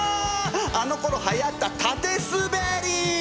あのころはやった縦すべり！